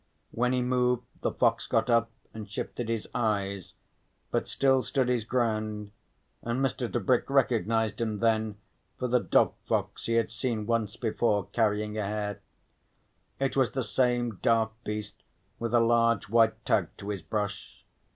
When he moved the fox got up and shifted his eyes, but still stood his ground, and Mr. Tebrick recognised him then for the dog fox he had seen once before carrying a hare. It was the same dark beast with a large white tag to his brush.